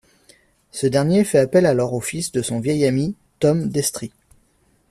Ce dernier fait appel alors au fils de son vieil ami, Tom Destry.